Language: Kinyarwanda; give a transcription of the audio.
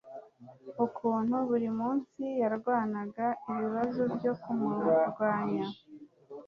ukuntu burimunsi yarwanaga, ibibazo byo kumurwanya